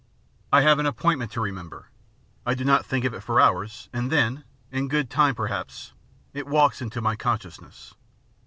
I have an appointment to remember. I do not think of it for hours, and then — in good time, perhaps — it walks into my "consciousness."